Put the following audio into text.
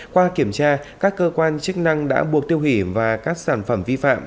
qua kiểm tra các cơ quan chức năng đã buộc tiêu hủy và các sản phẩm vi phạm